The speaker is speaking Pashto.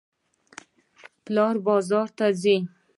پلار بازار ته ځي.